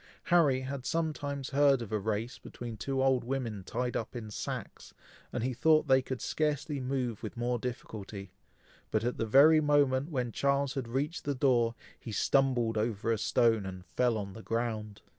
Harry had sometimes heard of a race between two old women tied up in sacks, and he thought they could scarcely move with more difficulty; but at the very moment when Charles had reached the door, he stumbled over a stone, and fell on the ground.